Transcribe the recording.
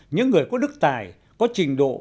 những người có đức tài có trình độ